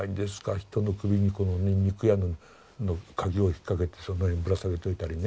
人の首にこのね肉屋のカギを引っ掛けてその辺にぶら下げておいたりね。